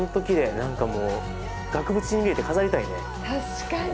確かに。